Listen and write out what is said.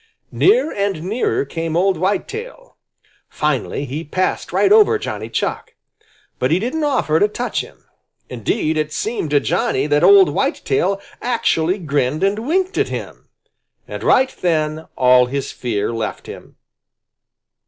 Nearer and nearer came old Whitetail! Finally he passed right over Johnny Chuck. But he didn't offer to touch him. Indeed, it seemed to Johnny that old Whitetail actually grinned and winked at him. And right then all his fear left him.